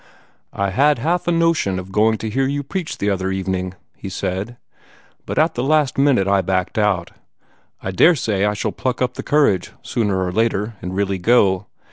"I had half a notion of going to hear you preach the other evening," he said; "but at the last minute I backed out. I daresay I shall pluck up the courage, sooner or later, and really go.